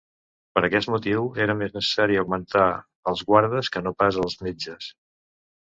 Per aquest motiu era més necessari augmentar els guardes que no pas els metges.